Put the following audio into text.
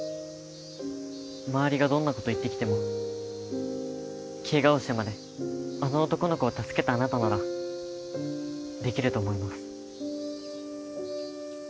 周りがどんなこと言ってきても怪我をしてまであの男の子を助けたあなたならできると思います。